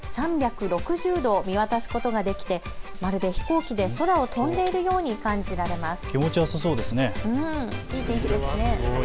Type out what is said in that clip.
３６０度見渡すことができてまるで飛行機で空を飛んでいるように感じられます。